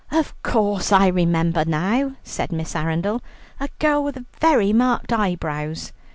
"Of course; I remember now," said Miss Arundel. "A girl with very marked eyebrows."